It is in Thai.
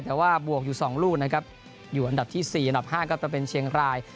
แต่ว่าบวกอยู่๒ลูกนะครับอยู่อันดับที่๔อันดับ๕ก็จะเป็นเชียงราย